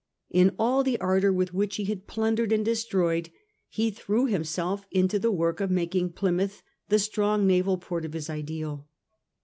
In all the ardour with which he had plundered and destroyed, he threw himself into the work of making Plymouth the strong naval port of his ideal.